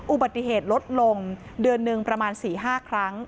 อุบัติเหตุลดลงเดือนหนึ่งประมาณ๔๕ครั้ง